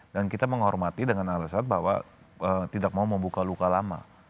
dan kita menghormati dengan alasan bahwa tidak mau membuka luka lama